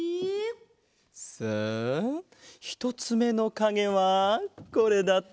さあひとつめのかげはこれだったな。